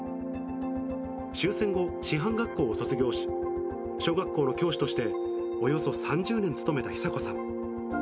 終戦後、師範学校を卒業し、小学校の教師としておよそ３０年勤めた久子さん。